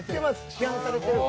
市販されてる。